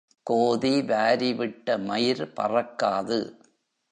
கோதி வாரிவிட்ட மயிர் பறக்காது.